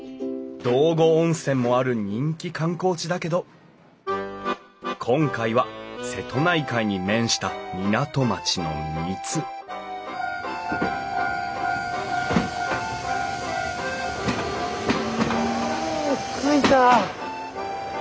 道後温泉もある人気観光地だけど今回は瀬戸内海に面した港町の三津うん着いた！